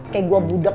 kayak gue budek aja